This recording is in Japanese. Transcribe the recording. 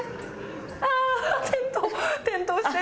ああ、転倒してる！